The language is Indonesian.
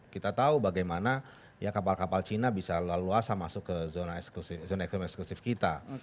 kita tahu bagaimana kapal kapal cina bisa lalu luasa masuk ke zona eksklusif kita